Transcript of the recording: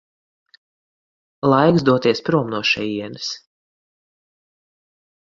Laiks doties prom no šejienes.